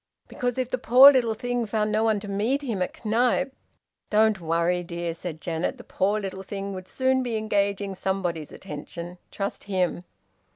"Because if the poor little thing found no one to meet him at Knype " "Don't worry, dear," said Janet. "The poor little thing would soon be engaging somebody's attention. Trust him!"